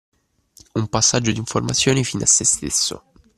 Un passaggio di informazioni fine a se stesso